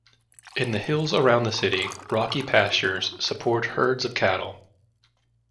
In the hills around the city, rocky pastures support herds of cattle.